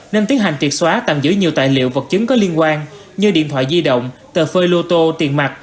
nên tiến hành triệt xóa tạm giữ nhiều tài liệu vật chứng có liên quan như điện thoại di động tờ phơi lô tô tiền mặt